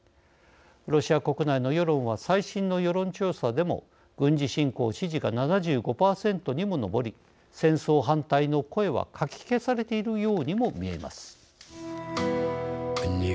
ロシア国内の世論は最新の世論調査でも軍事侵攻支持が７５％にも上り、戦争反対の声はかき消されているようにも見えます。